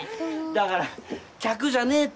だから客じゃねえって！